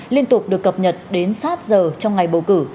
liên tục được cập nhật đến sát giờ trong ngày bầu cử